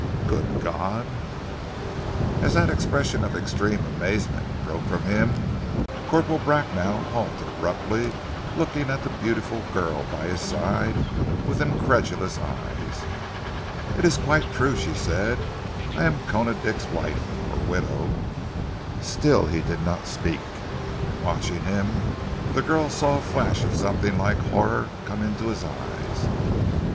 "Good God!" As that expression of extreme amazement broke from him, Corporal Bracknell halted abruptly, looking at the beautiful girl by his side, with incredulous eyes. "It is quite true," she said. "I am Koona Dick's wife or widow." Still he did not speak, and watching him the girl saw a flash of something like horror come into his eyes.